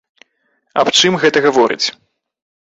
Аб чым гэта гаворыць?